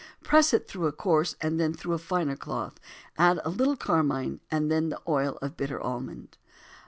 Press it first through a coarse and then through a finer cloth, add a little carmine and the oil of bitter almond.